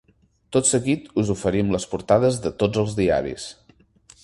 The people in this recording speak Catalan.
Tot seguit us oferim les portades de tots els diaris.